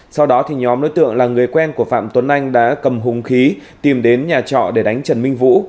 sau đó nhóm đối tượng là người quen của phạm tuấn anh đã cầm hùng khí tìm đến nhà trọ để đánh trần minh vũ